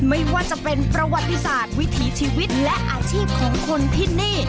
ไม่ว่าจะเป็นประวัติศาสตร์วิถีชีวิตและอาชีพของคนที่นี่